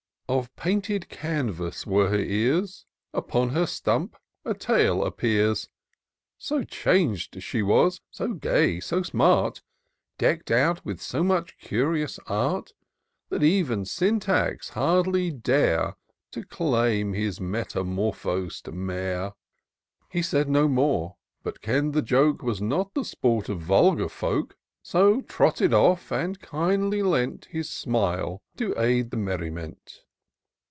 Of painted canvass were her ears ; Upon her stump a tail appears ; So chang'd she was, so gay, so smart, Deck'd out with so much curious art, That even Syntax hardly dare To claim his metamorphos'd mare. He said no more — ^but kemi'd the joke Was not the sport of vulgar folk ; So trotted off— and kindly lent His smile to aid the merriment.